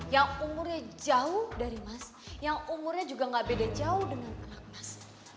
yang umurnya jauh dari mas yang umurnya juga gak beda jauh dengan anak mas